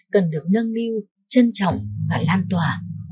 cần được nâng niu trân trọng và lan tỏa